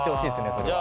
それは。